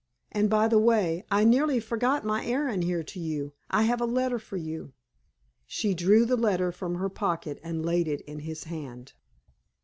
And by the way, I nearly forgot my errand here to you. I have a letter for you." She drew the letter from her pocket and laid it in his hand.